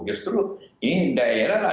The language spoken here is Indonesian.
justru ini daerah lah